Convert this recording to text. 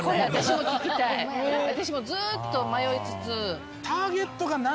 私もずっと迷いつつ。